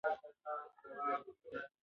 د الوتکې خواړه ډېر خوندور وو.